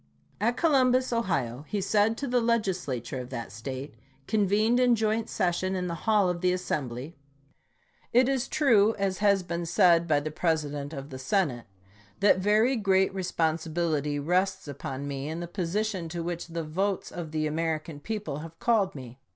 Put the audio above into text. At Columbus, Ohio, lie said to the Legislature of that State, convened in joint session in the hall of the Assembly : It is true, as has been said by the President of the Senate, that very great responsibility rests upon me in the position to which the votes of the American people have called me.